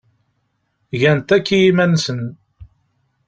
Gan-t akk i yiman-nsen.